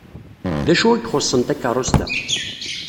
D acu ay ixuṣṣen takeṛṛust-a?